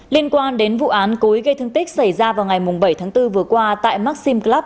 liên quan đến vụ án cố ý gây thương tích xảy ra vào ngày bảy tháng bốn vừa qua tại maxim club